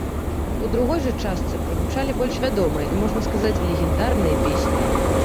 У другой жа частцы прагучалі больш вядомыя і можна сказаць легендарныя песні.